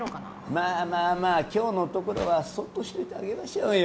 まあまあまあ今日のところはそっとしといてあげましょうよ。